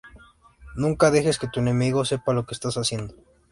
Nunca dejes que tu enemigo sepa lo que estás sintiendo".